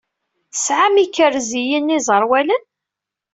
Tesɛam ikerziyen iẓerwalen?